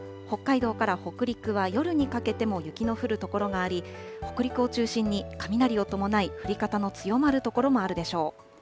北海道から北陸は夜にかけても雪の降る所があり、北陸を中心に雷を伴い、降り方の強まる所もあるでしょう。